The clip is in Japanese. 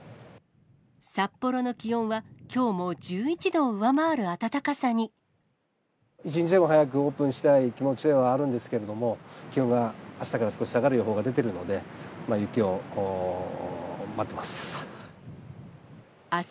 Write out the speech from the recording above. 札幌の気温は、一日でも早くオープンしたい気持ちではあるんですけれども、気温があしたから少し下がる予報が出ているので、雪を待ってます。